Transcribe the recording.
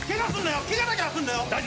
ケガだけはすんなよ！